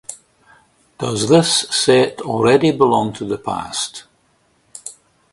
Does this set already belong to the past?